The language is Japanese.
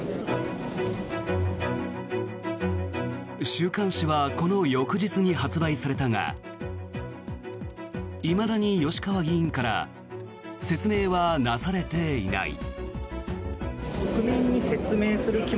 週刊誌はこの翌日に発売されたがいまだに吉川議員から説明はなされていない。